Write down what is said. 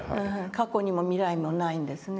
過去にも未来にもないんですね。